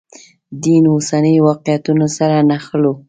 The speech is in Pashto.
دین اوسنیو واقعیتونو سره نښلوو.